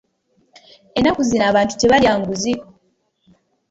Ennaku zino abantu tebalya nguzi.